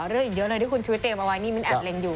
อีกเยอะเลยที่คุณชุวิตเตรียมเอาไว้นี่มิ้นแอบเล็งอยู่